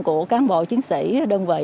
của cán bộ chiến sĩ đơn vị